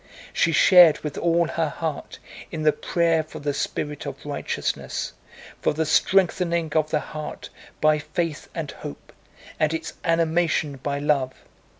She shared with all her heart in the prayer for the spirit of righteousness, for the strengthening of the heart by faith and hope, and its animation by love.